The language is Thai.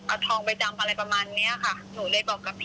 ออกไปพร้อมอยู่กับ